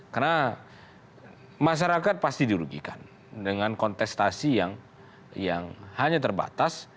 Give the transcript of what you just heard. karena masyarakat pasti diurugikan dengan kontestasi yang hanya terbatas